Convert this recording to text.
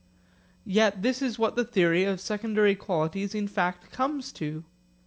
Yet this is what the theory of secondary qualities in fact comes to.